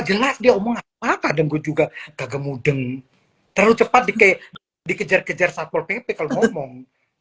jelas dia omong apa dan gue juga kagak mudeng terlalu cepat dikejar kejar sapol pp kalau ngomong